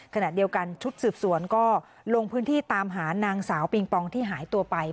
ขณะเดียวกันชุดสืบสวนก็ลงพื้นที่ตามหานางสาวปิงปองที่หายตัวไป